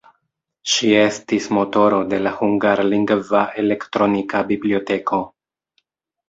Ŝi estis motoro de la hungarlingva elektronika biblioteko.